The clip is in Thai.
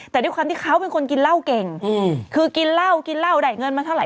แต่ด้วยความที่เขาเป็นคนกินเหล้าเก่งคือกินเหล้ากินเหล้าได้เงินมาเท่าไห